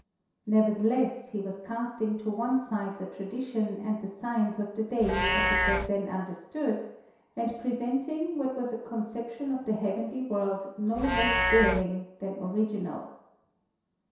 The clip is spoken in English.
Nevertheless he was cast ing to one side the tradition and the science of the day as k was then understood and presenting what was a concep tion of the heavenly world no less daring than original.